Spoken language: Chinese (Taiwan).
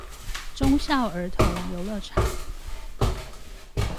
忠孝兒童遊樂場